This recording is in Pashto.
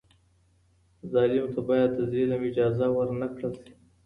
ظالم ته بايد د ظلم اجازه ورنکړل سي.